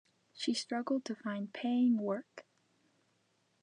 She struggled to find paying work.